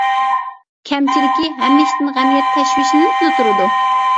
كەمچىلىكى: ھەممە ئىشتىن غەم يەپ، تەشۋىشلىنىپلا تۇرىدۇ.